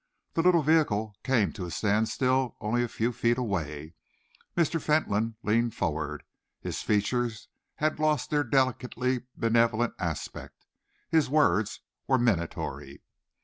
The little vehicle came to a standstill only a few feet away. Mr. Fentolin leaned forward. His features had lost their delicately benevolent aspect; his words were minatory.